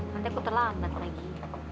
nanti aku terlambat lagi